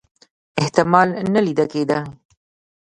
احتمال نه لیده کېدی.